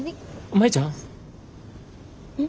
舞ちゃん。